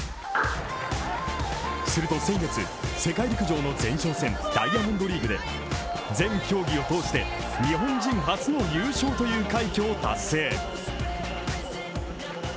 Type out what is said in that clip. すると先月、世界陸上の前哨戦ダイヤモンドリーグで、全競技を通して日本人初の優勝という快挙を達成。